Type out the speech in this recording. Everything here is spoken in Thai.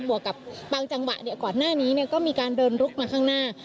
วกกับบางจังหวะก่อนหน้านี้ก็มีการเดินลุกมาข้างหน้า